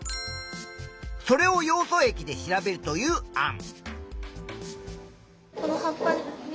それをヨウ素液で調べるという案。